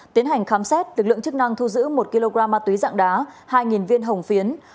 tiến hành khám xét lực lượng chức năng thu giữ một kg ma túy dạng đá hai viên hồng phiến